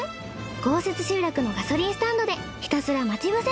豪雪集落のガソリンスタンドでひたすら待ち伏せ。